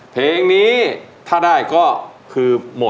เพลงนี้ถ้าได้ก็คือหมด